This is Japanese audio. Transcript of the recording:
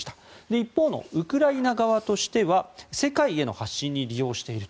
一方のウクライナ側としては世界への発信に利用していると。